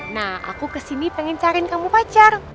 nah aku kesini pengen cariin kamu pacar